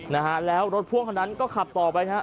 นะฮะแล้วรถพ่วงคนนั้นก็ขับต่อไปนะฮะ